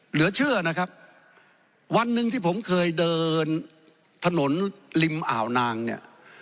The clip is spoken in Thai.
เหลือเชื่อนะครับวันหนึ่งที่ผมเคยเดินถนนริมอ่าวนางเนี่ย